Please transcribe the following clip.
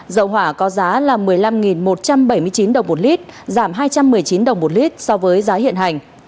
dầu hỏa có giá một mươi năm một trăm bảy mươi chín đồng một lit giảm hai trăm một mươi chín đồng một lit so với giá hiện hành